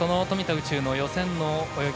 宇宙の予選の泳ぎ